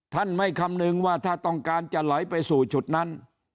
ท่านไม่คำนึงว่าถ้าต้องการจะไหลไปสู่จุดนั้น